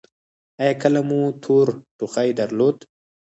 ایا کله مو تور ټوخی درلود؟